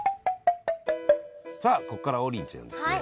さあここからは王林ちゃんですね